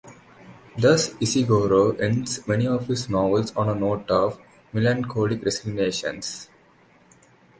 Thus Ishiguro ends many of his novels on a note of melancholic resignation.